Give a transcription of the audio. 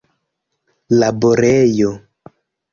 laborejo